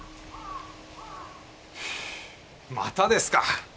またですか。